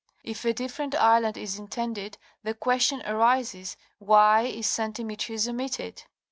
If a different island is intended the question arises, Why is St. Demetrius omitted?